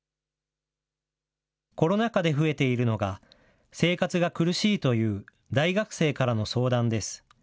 コロナ禍で増えているのが、生活が苦しいという大学生からの相談です。